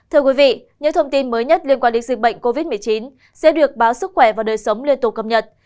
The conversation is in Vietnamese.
thưa quý vị những thông tin mới nhất liên quan đến dịch bệnh covid một mươi chín sẽ được báo sức khỏe và đời sống liên tục cập nhật